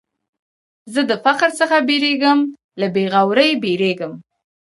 زه د فقر څخه بېرېږم، له بېغورۍ بېرېږم.